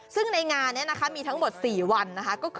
ซึ่งในงานนี้นะคะมีทั้งหมด๔วันนะคะ